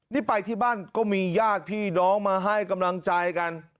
นี่ไปที่บ้านก็มีญาติพี่น้องมาให้กำลังใจกัน